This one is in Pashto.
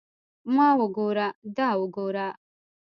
ما وګوره دا وګوره.